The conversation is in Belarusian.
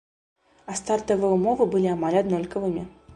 А стартавыя ўмовы былі амаль аднолькавымі.